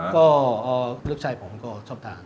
ก็ลูกชายผมก็ชอบทาน